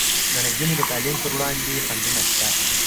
د نجونو د تعلیم پر وړاندې خنډونه شته.